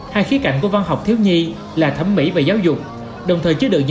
hai khía cạnh của văn học thiếu nhi là thẩm mỹ và giáo dục